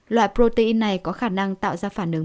loại protein này có khả năng tạo ra phản ứng